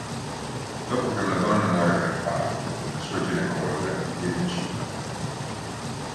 Dopo che una donna muore per parto, la sua ginecologa viene uccisa.